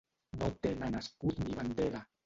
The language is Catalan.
No tenen escut ni bandera: